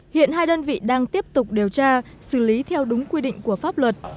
hiện hai đơn vị đang tiếp tục điều tra xử lý theo đúng quy định của pháp luật